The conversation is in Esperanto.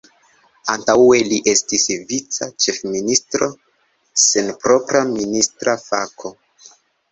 Antaŭe li estis vica ĉefministro sen propra ministra fako.